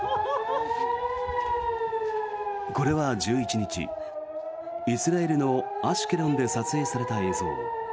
これは１１日、イスラエルのアシュケロンで撮影された映像。